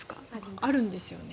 あるんですよね。